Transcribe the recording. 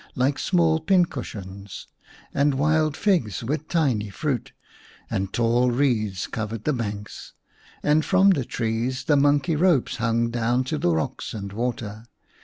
ii And the Magic Song small pincushions, and wild figs with tiny fruit and tall reeds covered the banks, and from the trees the monkey ropes hung down to the rocks and water.